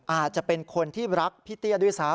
อาจจะเป็นคนที่รักพี่เตี้ยด้วยซ้ำ